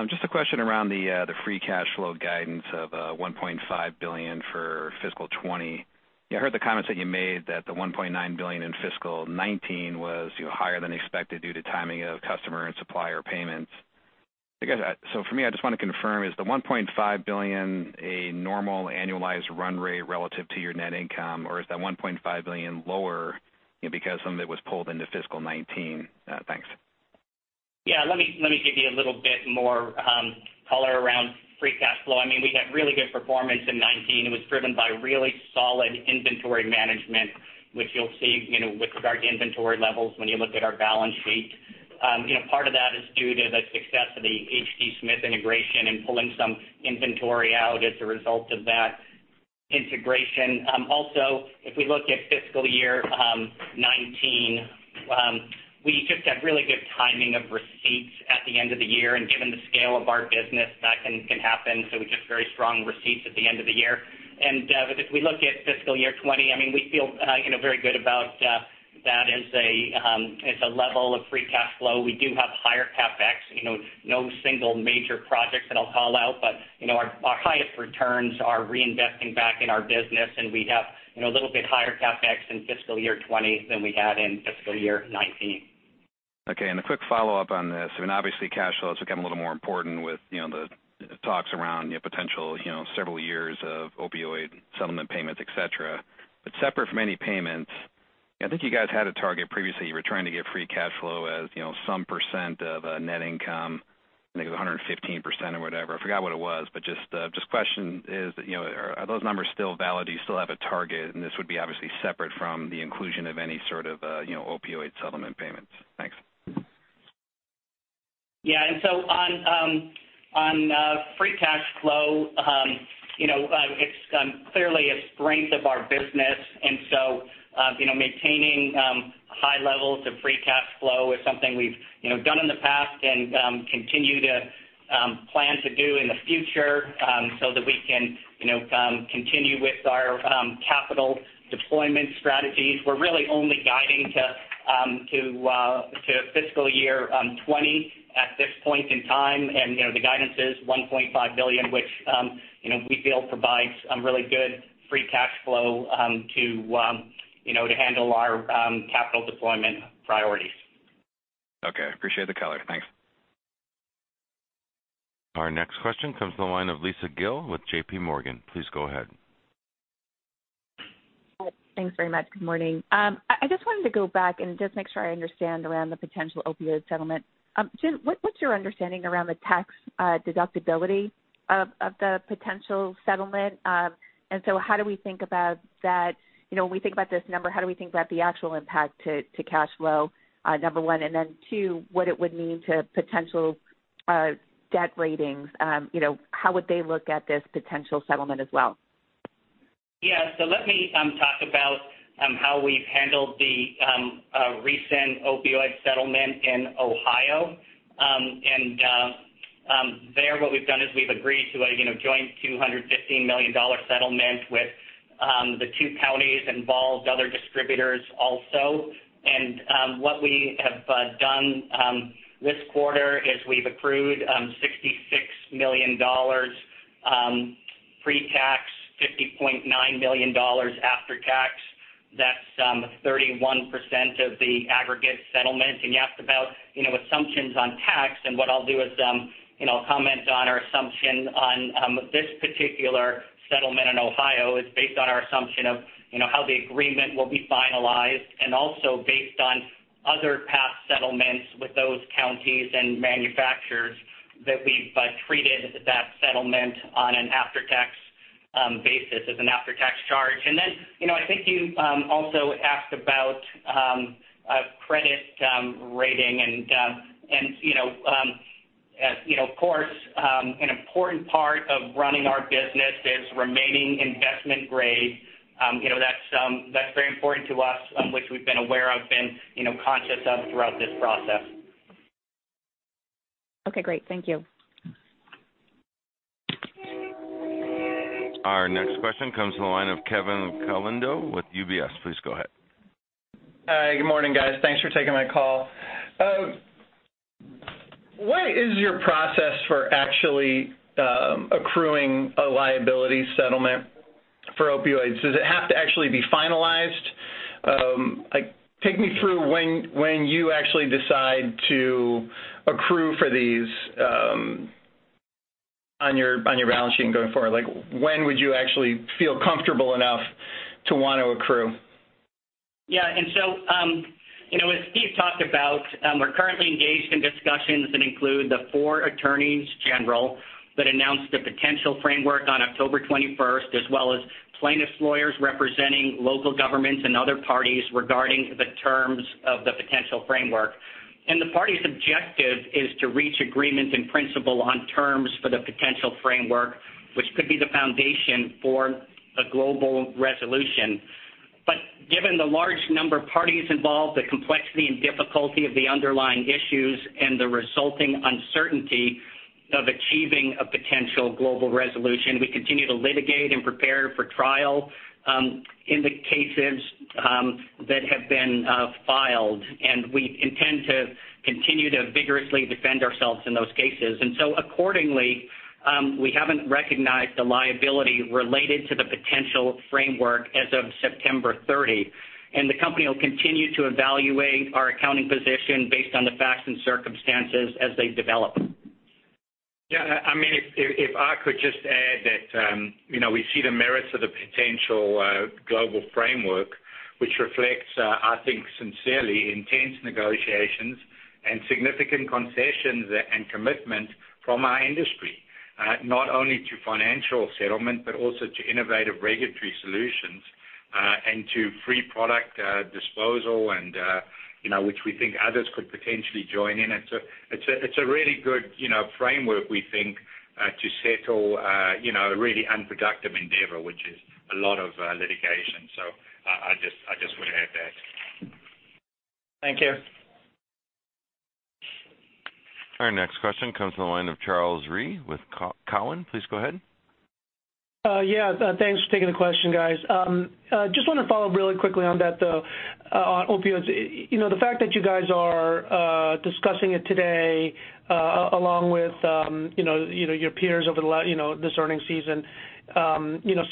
S7: Just a question around the free cash flow guidance of $1.5 billion for FY 2020. I heard the comments that you made that the $1.9 billion in FY 2019 was higher than expected due to timing of customer and supplier payments. For me, I just want to confirm, is the $1.5 billion a normal annualized run rate relative to your net income? Is that $1.5 billion lower because some of it was pulled into FY 2019? Thanks.
S4: Yeah. Let me give you a little bit more color around free cash flow. We had really good performance in 2019. It was driven by really solid inventory management, which you'll see with regard to inventory levels when you look at our balance sheet. Part of that is due to the success of the H.D. Smith integration and pulling some inventory out as a result of that integration. Also, if we look at fiscal year 2019, we just had really good timing of receipts at the end of the year, and given the scale of our business, that can happen. We get very strong receipts at the end of the year. If we look at fiscal year 2020, we feel very good about that as a level of free cash flow. We do have higher CapEx. No single major project that I'll call out, but our highest returns are reinvesting back in our business, and we have a little bit higher CapEx in fiscal year 2020 than we had in fiscal year 2019.
S7: Okay. A quick follow-up on this. Obviously cash flows become a little more important with the talks around potential several years of opioid settlement payments, et cetera. Separate from any payments, I think you guys had a target previously. You were trying to get free cash flow as some percent of net income, I think it was 115% or whatever. I forgot what it was. Just question is, are those numbers still valid? Do you still have a target? This would be obviously separate from the inclusion of any sort of opioid settlement payments. Thanks.
S4: Yeah. On free cash flow, it's clearly a strength of our business. Maintaining high levels of free cash flow is something we've done in the past and continue to plan to do in the future so that we can continue with our capital deployment strategies. We're really only guiding to FY 2020 at this point in time. The guidance is $1.5 billion, which we feel provides some really good free cash flow to handle our capital deployment priorities.
S7: Okay. Appreciate the color. Thanks.
S1: Our next question comes to the line of Lisa Gill with J.P. Morgan. Please go ahead.
S8: Thanks very much. Good morning. I just wanted to go back and just make sure I understand around the potential opioid settlement. Jim, what's your understanding around the tax deductibility of the potential settlement? How do we think about that when we think about this number? How do we think about the actual impact to cash flow, number one? Two, what it would mean to potential debt ratings. How would they look at this potential settlement as well?
S4: Let me talk about how we've handled the recent opioid settlement in Ohio. There, what we've done is we've agreed to a joint $215 million settlement with the two counties involved, other distributors also. What we have done this quarter is we've accrued $66 million pre-tax, $50.9 million after tax. That's 31% of the aggregate settlement. You asked about assumptions on tax, and what I'll do is comment on our assumption on this particular settlement in Ohio. It's based on our assumption of how the agreement will be finalized, and also based on other past settlements with those counties and manufacturers that we've treated that settlement on an after-tax basis as an after-tax charge. I think you also asked about credit rating, and of course, an important part of running our business is remaining investment grade. That's very important to us, which we've been aware of and conscious of throughout this process.
S8: Okay, great. Thank you.
S1: Our next question comes from the line of Kevin Caliendo with UBS. Please go ahead.
S9: Hi. Good morning, guys. Thanks for taking my call. What is your process for actually accruing a liability settlement for opioids? Does it have to actually be finalized? Take me through when you actually decide to accrue for these on your balance sheet going forward. When would you actually feel comfortable enough to want to accrue?
S4: Yeah. As Steve talked about, we're currently engaged in discussions that include the four attorneys general that announced a potential framework on October 21st, as well as plaintiffs' lawyers representing local governments and other parties regarding the terms of the potential framework. The parties' objective is to reach agreement in principle on terms for the potential framework, which could be the foundation for a global resolution. Given the large number of parties involved, the complexity and difficulty of the underlying issues, and the resulting uncertainty of achieving a potential global resolution, we continue to litigate and prepare for trial in the cases that have been filed. We intend to continue to vigorously defend ourselves in those cases. Accordingly, we haven't recognized the liability related to the potential framework as of September 30. The company will continue to evaluate our accounting position based on the facts and circumstances as they develop.
S3: Yeah. If I could just add that we see the merits of the potential global framework, which reflects, I think, sincerely intense negotiations and significant concessions and commitment from our industry, not only to financial settlement, but also to innovative regulatory solutions, and to free product disposal, which we think others could potentially join in. It's a really good framework, we think, to settle a really unproductive endeavor, which is a lot of litigation. I just would add that.
S9: Thank you.
S1: Our next question comes from the line of Charles Rhyee with Cowen. Please go ahead.
S10: Yeah. Thanks for taking the question, guys. Just want to follow really quickly on that, though, on opioids. The fact that you guys are discussing it today, along with your peers over this earning season,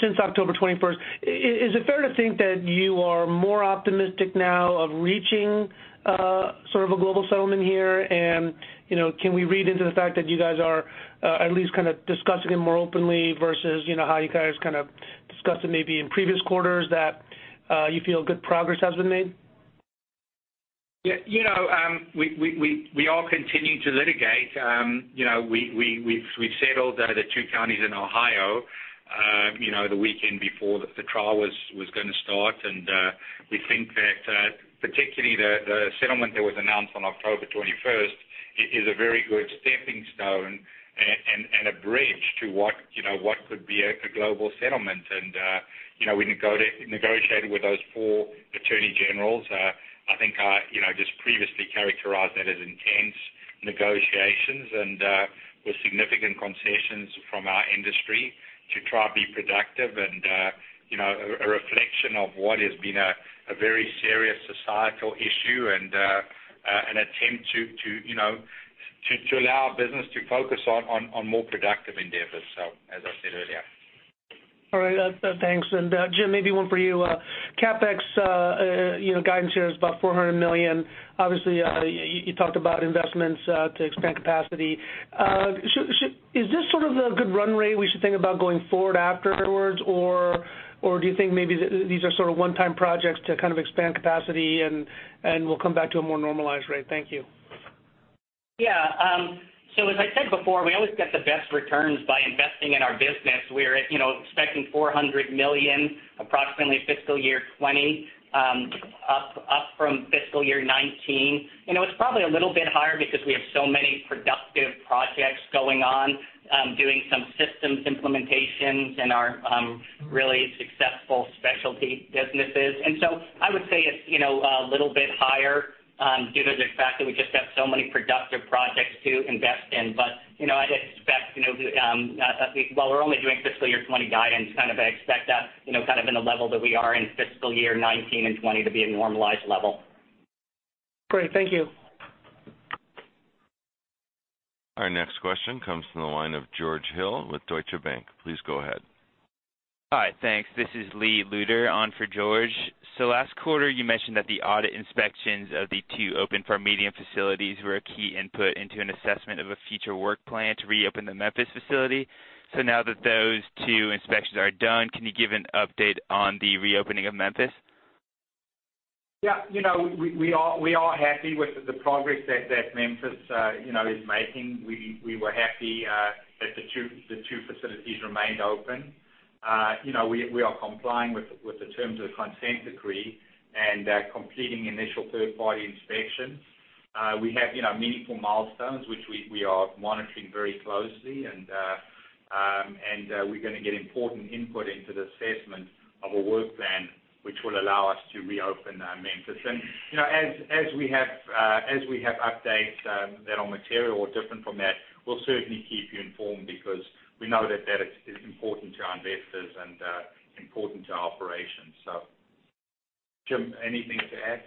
S10: since October 21st, is it fair to think that you are more optimistic now of reaching a global settlement here? Can we read into the fact that you guys are at least discussing it more openly versus how you guys discussed it maybe in previous quarters, that you feel good progress has been made?
S3: Yeah. We are continuing to litigate. We've settled the 2 counties in Ohio the weekend before the trial was going to start. We think that particularly the settlement that was announced on October 21st is a very good stepping stone and a bridge to what could be a global settlement. We negotiated with those 4 attorney generals. I think I just previously characterized that as intense negotiations and with significant concessions from our industry to try to be productive and a reflection of what has been a very serious societal issue and an attempt to allow our business to focus on more productive endeavors, as I said earlier.
S10: All right. Thanks. Jim, maybe one for you. CapEx guidance here is about $400 million. Obviously, you talked about investments to expand capacity. Is this sort of the good run rate we should think about going forward afterwards, or do you think maybe these are sort of one-time projects to expand capacity and we'll come back to a more normalized rate? Thank you.
S4: Yeah. As I said before, we always get the best returns by investing in our business. We're expecting $400 million approximately fiscal year 2020. From fiscal year 2019, it was probably a little bit higher because we have so many productive projects going on, doing some systems implementations in our really successful specialty businesses. I would say it's a little bit higher due to the fact that we just have so many productive projects to invest in. I'd expect, while we're only doing fiscal year 2020 guidance, I expect that in the level that we are in fiscal year 2019 and 2020 to be a normalized level.
S10: Great. Thank you.
S1: Our next question comes from the line of George Hill with Deutsche Bank. Please go ahead.
S11: Hi. Thanks. This is Lee Lueder on for George. Last quarter, you mentioned that the audit inspections of the two open PharMEDium facilities were a key input into an assessment of a future work plan to reopen the Memphis facility. Now that those two inspections are done, can you give an update on the reopening of Memphis?
S3: Yeah. We are happy with the progress that Memphis is making. We were happy that the two facilities remained open. We are complying with the terms of the consent decree and completing initial third-party inspections. We have meaningful milestones, which we are monitoring very closely. We're going to get important input into the assessment of a work plan, which will allow us to reopen Memphis. As we have updates that are material or different from that, we'll certainly keep you informed because we know that is important to our investors and important to our operations. Jim, anything to add?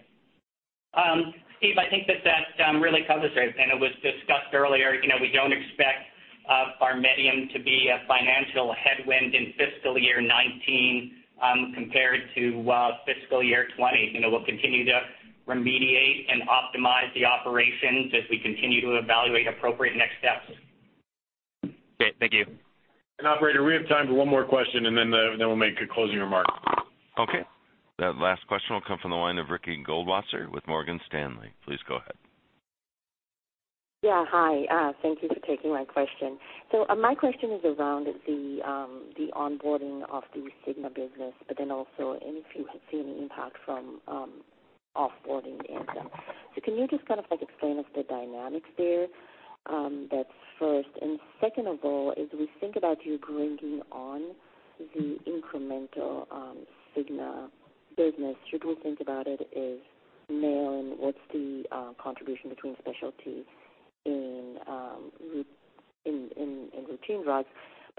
S4: Steve, I think that really covers it. It was discussed earlier, we don't expect PharMEDium to be a financial headwind in fiscal year 2019 compared to fiscal year 2020. We'll continue to remediate and optimize the operations as we continue to evaluate appropriate next steps.
S11: Okay, thank you.
S2: Operator, we have time for one more question, and then we'll make a closing remark.
S1: Okay. That last question will come from the line of Ricky Goldwasser with Morgan Stanley. Please go ahead.
S12: Yeah. Hi. Thank you for taking my question. My question is around the onboarding of the Cigna business, but then also if you have seen any impact from off-boarding Amgen. Can you just explain us the dynamics there? That's first. Second of all, as we think about you bringing on the incremental Cigna business, should we think about it as mail and what's the contribution between specialty and routine drugs?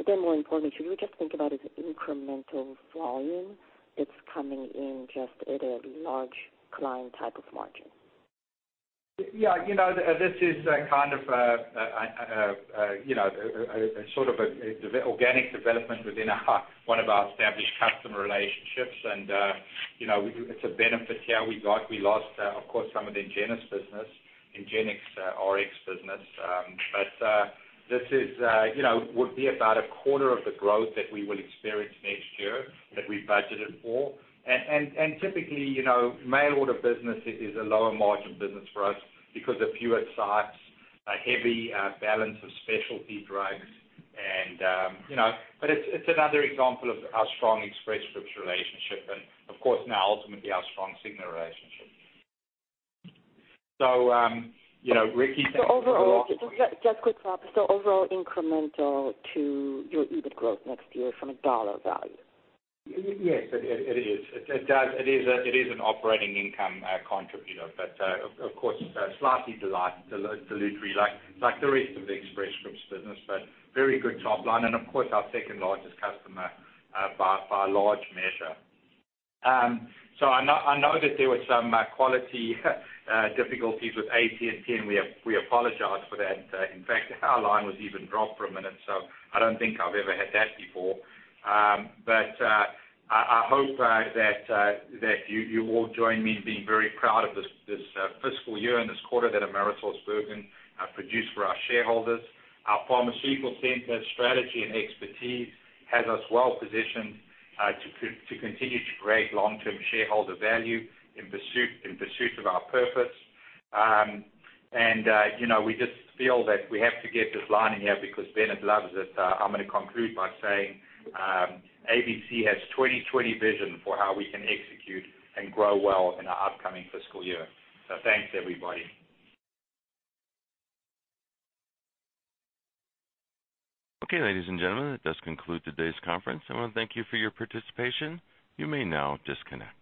S12: More importantly, should we just think about it as incremental volume that's coming in just at a large client type of margin?
S3: This is a sort of organic development within one of our established customer relationships, and it's a benefit. We lost, of course, some of the IngenioRx business. This would be about a quarter of the growth that we will experience next year that we budgeted for. Typically, mail order business is a lower margin business for us because of fewer sites, a heavy balance of specialty drugs. It's another example of our strong Express Scripts relationship and, of course, now ultimately our strong Cigna relationship. Ricky,
S12: Overall, just a quick follow-up. Overall incremental to your EBIT growth next year from a dollar value?
S3: Yes, it is an operating income contributor, of course, slightly dilutive like the rest of the Express Scripts business, very good top line and of course our second largest customer by a large measure. I know that there were some quality difficulties with AT&T, and we apologize for that. In fact, our line was even dropped for a minute, I don't think I've ever had that before. I hope that you all join me in being very proud of this fiscal year and this quarter that Cencora produced for our shareholders. Our national distribution center strategy and expertise has us well positioned to continue to create long-term shareholder value in pursuit of our purpose. We just feel that we have to get this line in here because Bennett loves it. I'm gonna conclude by saying ABC has 2020 vision for how we can execute and grow well in our upcoming fiscal year. Thanks, everybody.
S1: Okay, ladies and gentlemen, that does conclude today's conference. I want to thank you for your participation. You may now disconnect.